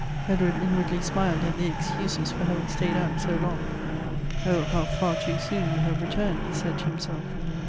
Edward inwardly smiled at their excuses for having stayed out so long. Oh ! how far too soon you have returned, he said to him self.